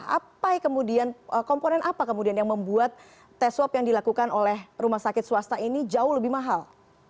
apa kemudian komponen apa kemudian yang membuat tes swab yang dilakukan oleh rumah sakit swasta ini jauh lebih mahal